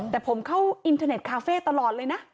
แต่ผมเข้าอินเทอร์เน็ตคาเฟ่ตลอดเลยนะ